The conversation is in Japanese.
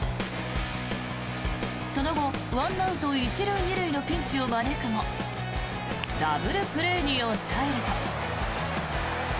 その後、１アウト１塁２塁のピンチを招くもダブルプレーに抑えると。